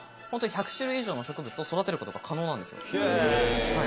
ホントに１００種類以上の植物を育てることが可能なんですよ。